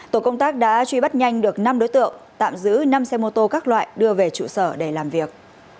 tổ công tác đã truy bắt nhanh được năm đối tượng tạm giữ năm xe mô tô các loại đưa về trụ sở để làm việc